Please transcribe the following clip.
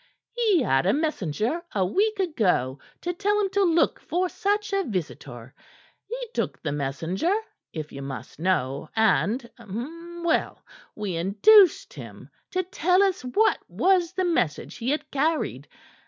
He had a messenger a week ago to tell him to look for such a visitor. He took the messenger, if you must know, and well, we induced him to tell us what was the message he had carried.